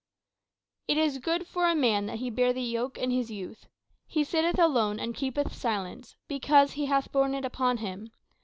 "It is good for a man that he bear the yoke in his youth He sitteth alone and keepeth silence, because he hath borne it upon him.